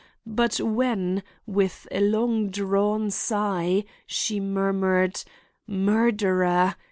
But when, with a long drawn sigh, she murmured, 'Murderer!